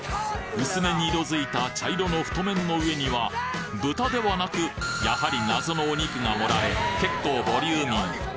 薄めに色づいた茶色の太麺の上には豚ではなくやはり謎のお肉が盛られ結構ボリューミー！